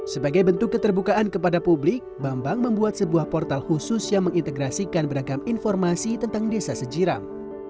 sebagai bentuk keterbukaan kepada publik bambang membuat sebuah portal khusus yang mengintegrasikan beragam informasi tentang desa sejiram